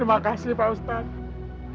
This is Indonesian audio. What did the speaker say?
terima kasih pak ustadz